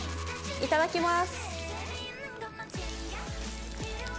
いただきます。